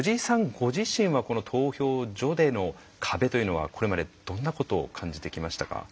ご自身はこの投票所での壁というのはこれまでどんなことを感じてきましたか？